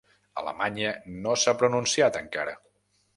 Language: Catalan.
Alemanya no s’ha pronunciat encara.